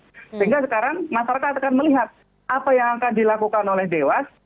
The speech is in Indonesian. sehingga sekarang masyarakat akan melihat apa yang akan dilakukan oleh dewas